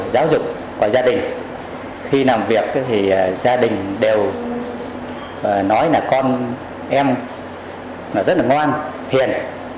giáo dục của gia đình khi làm việc thì gia đình đều nói là con em rất là ngoan hiền